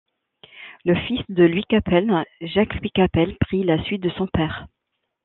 Le fils de Louis Cappel, Jacques Louis Cappel prit la suite de son père.